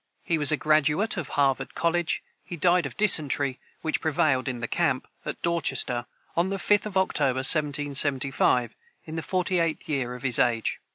He was a graduate of Harvard college. He died of dysentery, which prevailed in the camp, at Dorchester, on the 5th of October, 1775, in the forty eighth year of his age.